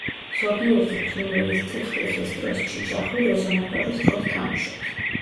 ზოგიერთი ფრინველის ტიხტიხის დროს ჩიჩახვი რეზონატორის როლს თამაშობს.